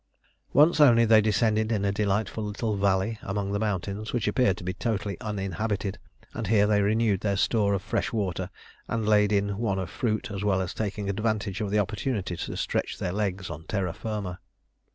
Once only they descended in a delightful little valley among the mountains, which appeared to be totally uninhabited, and here they renewed their store of fresh water, and laid in one of fruit, as well as taking advantage of the opportunity to stretch their legs on terra firma.